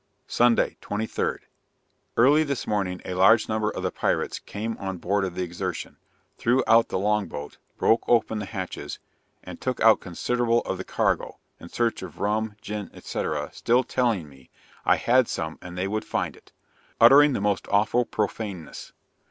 Sunday, 23d. Early this morning a large number of the pirates came on board of the Exertion, threw out the long boat, broke open the hatches, and took out considerable of the cargo, in search of rum, gin, &c., still telling me "I had some and they would find it," uttering the most awful profaneness.